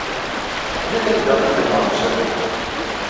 Qlil anda i gganeɣ deg usafag.